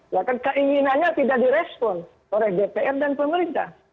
ya kan keinginannya tidak direspon oleh dpr dan pemerintah